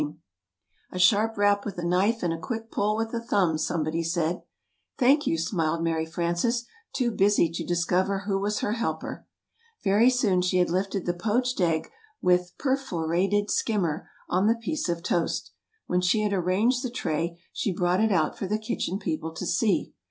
[Illustration: "Ready!" "Ready!"] "A sharp rap with a knife and a quick pull with the thumbs," somebody said. "Thank you," smiled Mary Frances, too busy to discover who was her helper. Very soon she had lifted the poached egg with Per for at ed Skimmer on the piece of toast. When she had arranged the tray, she brought it out for the Kitchen People to see.